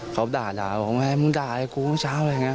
เขาด่าว่าแม่มึงด่าไอ้คุณเช้า